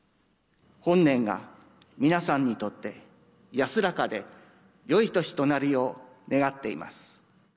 本年が皆さんにとって安らかでよい年となるよう、願っています。